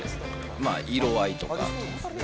まあ、色合いとか。